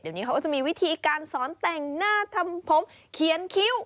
เดี๋ยวนี้เขาก็จะมีวิธีการสอนแต่งหน้าทำผมเขียนคิ้ว